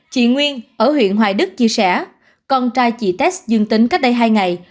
chị nguyên ở huyện hoài đức chia sẻ con trai chị test dương tính cách đây hai ngày